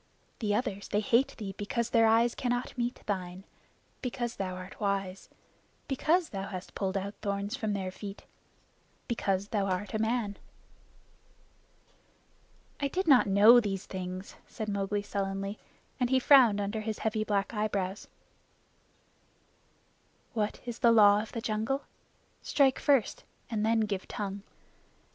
The others they hate thee because their eyes cannot meet thine; because thou art wise; because thou hast pulled out thorns from their feet because thou art a man." "I did not know these things," said Mowgli sullenly, and he frowned under his heavy black eyebrows. "What is the Law of the Jungle? Strike first and then give tongue.